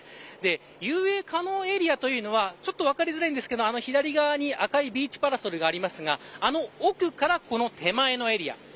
遊泳可能エリアというのはちょっと分かりづらいですが左側に赤いビーチパラソルがありますがあの奥からこの手前のエリア。